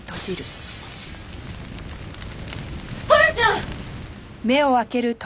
トラちゃん！